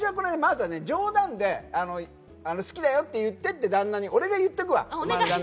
冗談で好きだよって言ってって旦那に俺が言っとくわ。